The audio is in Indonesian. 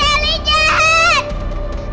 kak sally jahat